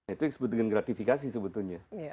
itu yang disebut dengan gratifikasi sebetulnya